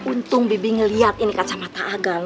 untung bebi ngeliat ini kacamata agan